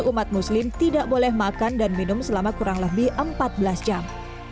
umat muslim tidak boleh makan dan minum selama kurang lebih empat belas jam